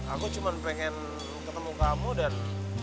aku cuma pengen ketemu kamu dan